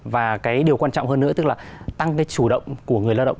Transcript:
và điều quan trọng hơn nữa tức là tăng chủ động của người lao động